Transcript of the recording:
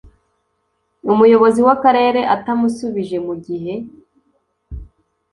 umuyobozi w akarere atamusubije mu gihe